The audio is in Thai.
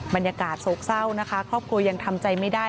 บรรยากาศโศกเศร้านะคะครอบครัวยังทำใจไม่ได้